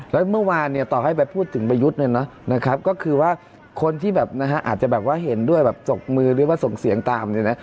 และเมื่อวานต่อให้ไปพูดถึงใบยุทธ์เนอะก็คือว่าคนที่เห็นด้วยศพมือส่งเสียงตามนี้เนี่ย